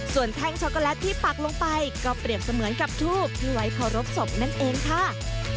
ส่วนแท่งช็อกโกแลตที่ปักลงไปก็เปรียบเสมือนกับทูบที่ไว้เคารพศพนั่นเองค่ะ